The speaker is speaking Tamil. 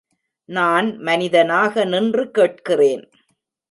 நான் மனிதனாக நின்று கேட்கிறேன்.